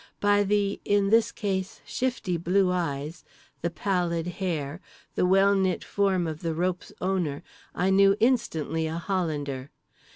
By the, in this case, shifty blue eyes, the pallid hair, the well knit form of the rope's owner I knew instantly a Hollander.